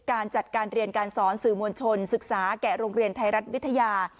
การจัดการเรียนการสอนสื่อมวลชนศึกษาแก่โรงเรียนไทยรัฐวิทยา